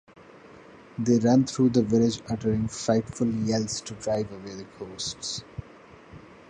They run through the village uttering frightful yells to drive away the ghosts.